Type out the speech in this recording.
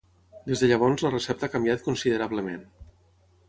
Des de llavors la recepta ha canviat considerablement.